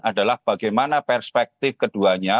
adalah bagaimana perspektif keduanya